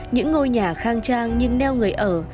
những ngôi nhà khang trang nhưng neo người ở